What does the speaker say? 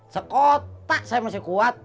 sekotak saya masih kuat